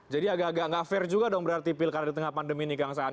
jadi agak agak gak fair juga dong berarti pilkada di tengah pandemi ini kang saan